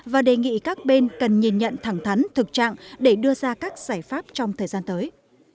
và đề nghị các bên cần nhìn nhận thẳng thắn thực trạng để đưa ra các giải pháp trong thời gian tới